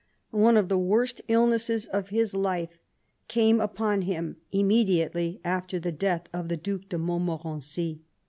One of the worst illnesses of his life came upon him immediately after the death of the Due de Montmorency.